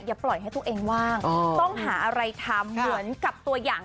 อย่าปล่อยให้ตัวเองว่างต้องหาอะไรทำเหมือนกับตัวอย่าง